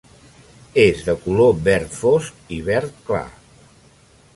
És de color verd fosc i verd clar.